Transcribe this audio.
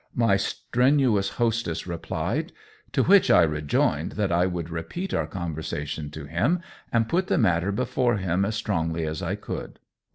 my strenuous hostess replied ; to which I rejoined that I would repeat our conversa tion to him and put the matter before him as strongly as I could.